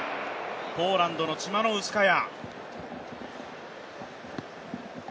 ポーランドのチマノウスカヤ。